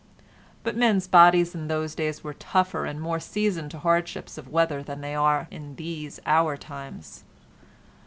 But men's bodies in those days were tougher and more seasoned to hardships of weather than they are in these our times.